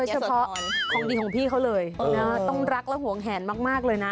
เฉพาะของดีของพี่เขาเลยต้องรักและห่วงแหนมากเลยนะ